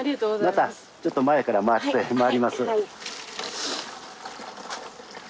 またちょっと前からまわります。